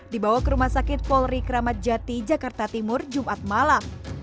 dibawa ke rumah sakit polri kramat jati jakarta timur jumat malam